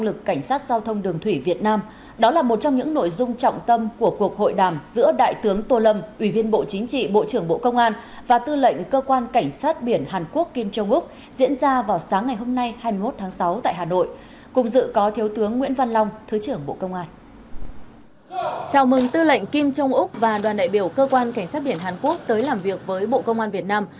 lệnh kim trông úc và đoàn đại biểu cơ quan cảnh sát biển hàn quốc tới làm việc với bộ công an việt nam